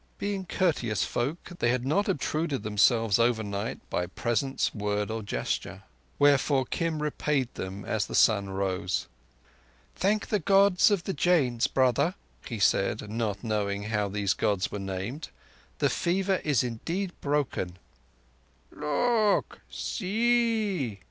Being courteous folk, they had not obtruded themselves overnight by presence, word, or gesture. Wherefore Kim repaid them as the sun rose. "Thank the Gods of the Jains, brother," he said, not knowing how those Gods were named. "The fever is indeed broken." "Look! See!"